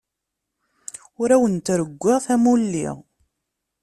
Ur awent-rewwiɣ tamuli.